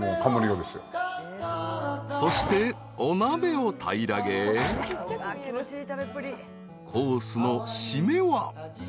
［そしてお鍋を平らげ］［コースの締めは］